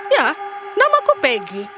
ya namaku peggy